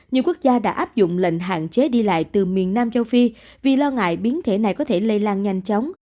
nhiều quốc gia đã áp dụng lệnh hạn chế đi lại từ miền nam châu phi vì lo ngại biến thể này có thể lây lan nhanh chóng